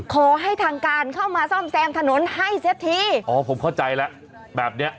ขอให้ทางการเข้ามาซ่อมแซมถนนให้เสียทีอ๋อผมเข้าใจแล้วแบบเนี้ย